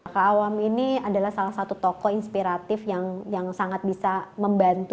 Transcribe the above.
kak awam ini adalah salah satu tokoh inspiratif yang sangat bisa membantu